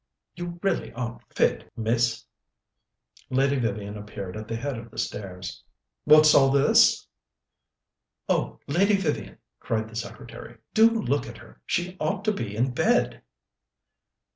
"You really aren't fit, Miss." Lady Vivian appeared at the head of the stairs. "What's all this?" "Oh, Lady Vivian," cried the secretary, "do look at her! She ought to be in bed."